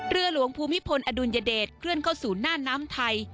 เรือหลวงภูมิพลอดุลยเดชเคลื่อนเข้าสู่หน้าน้ำไทย